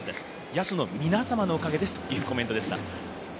野手の皆様のおかげですというコメントでした。